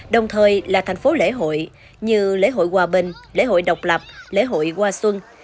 đồng thời là thành phố lễ hội như lễ hội hòa bình lễ hội độc lập lễ hội hoa xuân